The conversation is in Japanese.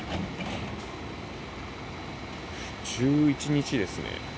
１１日ですね。